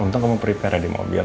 lontong kamu prepare di mobil